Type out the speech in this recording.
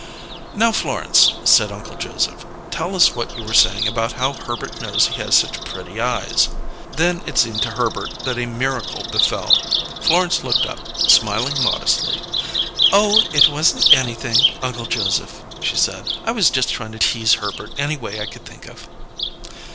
"Now, Florence," said Uncle Joseph, "tell us what you were saying about how Herbert knows he has such 'pretty eyes'." Then it seemed to Herbert that a miracle befell. Florence looked up, smiling modestly. "Oh, it wasn't anything, Uncle Joseph," she said. "I was Just trying to tease Herbert any way I could think of."